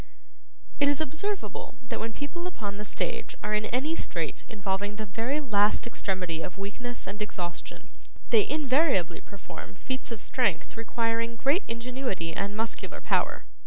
It is observable that when people upon the stage are in any strait involving the very last extremity of weakness and exhaustion, they invariably perform feats of strength requiring great ingenuity and muscular power.